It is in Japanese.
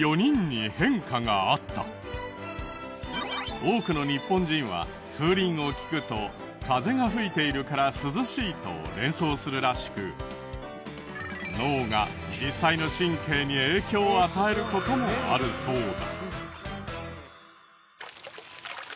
多くの日本人は風鈴を聞くと風が吹いているから涼しいと連想するらしく脳が実際の神経に影響を与える事もあるそうだ。